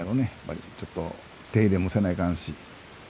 ちょっと手入れもせないかんし。